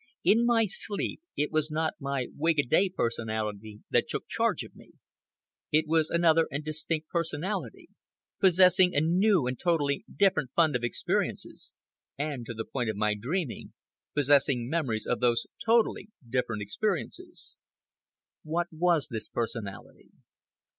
In my sleep it was not my wake a day personality that took charge of me; it was another and distinct personality, possessing a new and totally different fund of experiences, and, to the point of my dreaming, possessing memories of those totally different experiences. What was this personality?